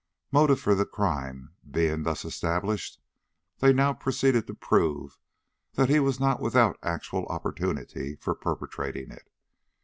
Motive for the crime being thus established, they now proceeded to prove that he was not without actual opportunity for perpetrating it.